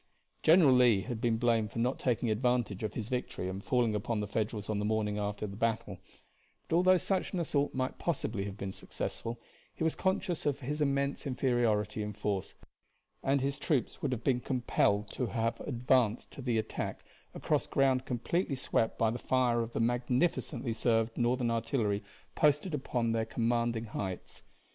General Lee has been blamed for not taking advantage of his victory and falling upon the Federals on the morning after the battle; but although such an assault might possibly have been successful he was conscious of his immense inferiority in force, and his troops would have been compelled to have advanced to the attack across ground completely swept by the fire of the magnificently served Northern artillery posted upon their commanding heights.